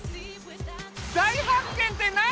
大発見って何？